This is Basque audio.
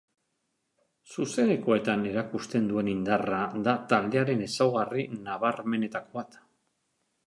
Zuzenekoetan erakusten duen indarra da taldearen ezaugarri nabarmenetako bat.